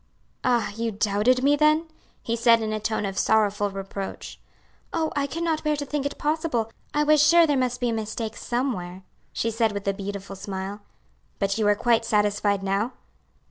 "Ah, you doubted me, then?" he said in a tone of sorrowful reproach. "Oh! I could not bear to think it possible. I was sure there must be a mistake somewhere," she said with a beautiful smile. "But you are quite satisfied now?"